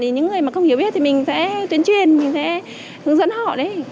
những người mà không hiểu biết thì mình sẽ tuyên truyền mình sẽ hướng dẫn họ đấy